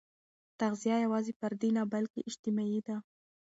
تغذیه یوازې فردي نه، بلکې اجتماعي ده.